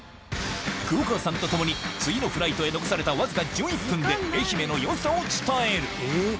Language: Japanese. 黒川さんと共に次のフライトへ残されたわずか１１分で愛媛のよさを伝える